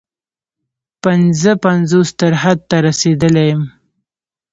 پنځه پنځوس تر حد ته رسېدلی یم.